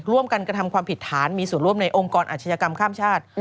ร่วมกันกระทำความผิดฐานมีส่วนร่วมในองค์กรอาชญากรรมข้ามชาติ